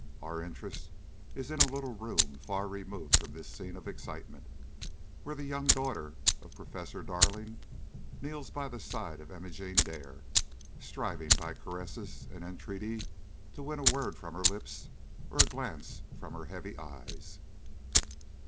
Our interest is in a little room far removed from this scene of excitement, where the young daughter of Professor Darling kneels by the side of Imogene Dare, striving by caress and entreaty to win a word from her lips or a glance from her heavy eyes.